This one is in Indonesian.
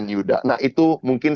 yuda nah itu mungkin